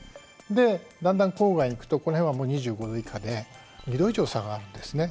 でだんだん郊外にいくとこの辺はもう２５度以下で２度以上差があるんですね。